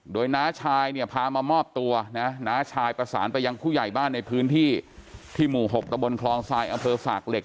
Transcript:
โดยน้าชายเนี่ยพามามอบตัวนะน้าชายประสานไปยังผู้ใหญ่บ้านในพื้นที่ที่หมู่๖ตะบนคลองทรายอำเภอสากเหล็ก